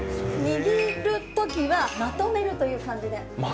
握るときはまとめるという感じで。